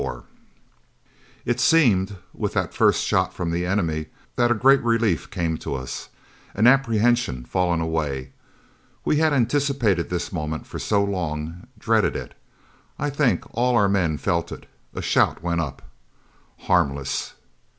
XXXIV It seemed, with that first shot from the enemy, that a great relief came to us an apprehension fallen away. We had anticipated this moment for so long, dreaded it. I think all our men felt it. A shout went up: "Harmless!"